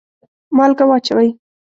مالګه واچوئ